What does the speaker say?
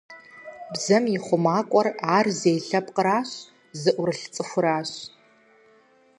Бзэм и хъумакӀуэр ар зей лъэпкъыращ, зыӀурылъ цӀыхуращ.